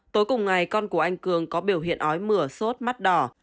tối cùng ngày con của anh cường có biểu hiện ói mửa sốt mắt đỏ